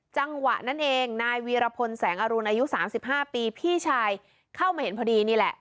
จังหวะนั้นเองนายวีรพลแสงอรุณอายุ๓๕ปีพี่ชายเข้ามาเห็นพอดีนี่แหละ